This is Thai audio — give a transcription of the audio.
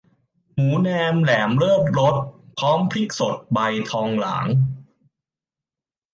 หมูแนมแหลมเลิศรส พร้อมพริกสดใบทองหลาง